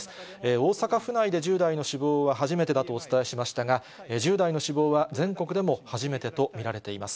大阪府内で１０代の死亡は初めてだとお伝えしましたが、１０代の死亡は全国でも初めてと見られています。